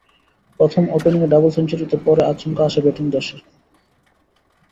প্রথমে ওপেনিংয়ে ডাবল সেঞ্চুরিতে, পরে আচমকা আসা ব্যাটিং ধসে।